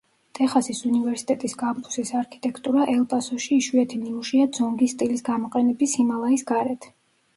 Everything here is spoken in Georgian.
ტეხასის უნივერსიტეტის კამპუსის არქიტექტურა ელ-პასოში იშვიათი ნიმუშია ძონგის სტილის გამოყენების ჰიმალაის გარეთ.